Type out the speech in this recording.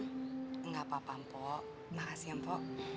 gak apa apa pok makasih ya pok